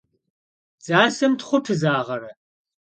Dzasem txhu pızağere?